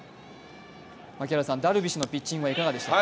ダルビッシュのピッチングはいかがでしたか？